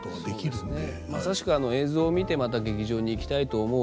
まさしく映像を見てまた劇場に行きたいと思う。